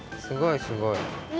すごいすごい！